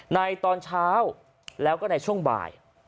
ในตอนเช้าแล้วก็ในช่วงบ่าย